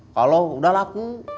kalau udah laku